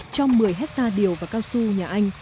trong một mươi hecta điều và cao su nhà anh